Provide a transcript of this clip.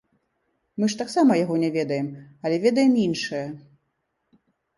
Мы ж таксама яго не ведаем, але ведаем іншае.